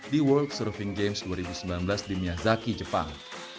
di world surfing games dua ribu sembilan belas di miazaki jepang